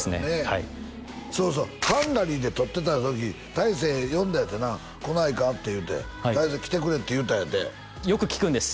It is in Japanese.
はいハンガリーで撮ってた時大成呼んだんやってな「来ないか？」って言うて大成来てくれって言うたんやってよく聞くんです